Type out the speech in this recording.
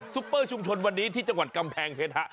ปเปอร์ชุมชนวันนี้ที่จังหวัดกำแพงเพชรฮะ